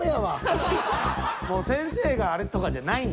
もう先生があれとかじゃないんだ。